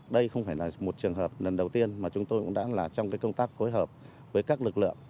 đây không phải là một trường hợp lần đầu tiên mà chúng tôi cũng đã là trong công tác phối hợp với các lực lượng